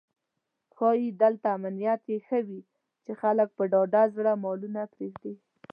ښایي دلته امنیت یې ښه وي چې خلک په ډاډه زړه مالونه پرېږدي.